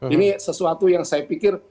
ini sesuatu yang saya pikir